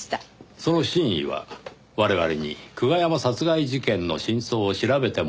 その真意は我々に久我山殺害事件の真相を調べてもらう事だった。